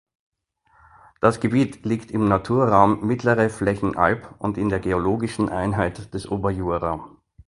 Das Gebiet liegt im Naturraum Mittlere Flächenalb und in der geologischen Einheit des Oberjura.